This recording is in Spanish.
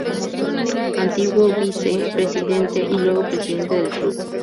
Antiguo vice presidente y luego presidente del club.